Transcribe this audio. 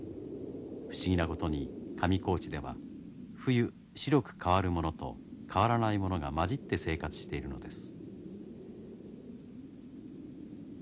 不思議なことに上高地では冬白く変わるものと変わらないものが交じって生活しているのです。